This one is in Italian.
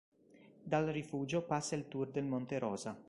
Dal rifugio passa il Tour del Monte Rosa.